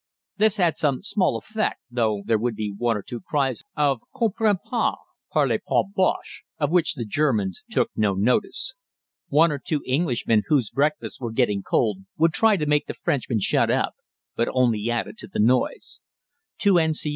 This had some small effect, though there would be one or two cries of "Comprends pas," "Parle pas Bosche," of which the Germans took no notice. One or two Englishmen whose breakfasts were getting cold would try to make the Frenchmen shut up, but only added to the noise. Two N.C.O.'